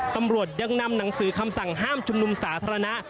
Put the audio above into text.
ตำรวจยังนำหนังสือคำสั่งห้ามชุมนุมสาธารณะ